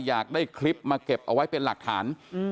อยากได้คลิปมาเก็บเอาไว้เป็นหลักฐาน